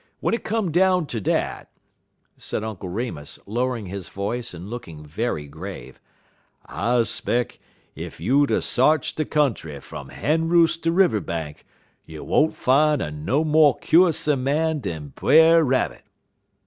W'en it come down ter dat," said Uncle Remus, lowering his voice and looking very grave, "I 'speck ef youder s'arch de country fum hen roost to river bank, you won't fine a no mo' kuser man dan Brer Rabbit.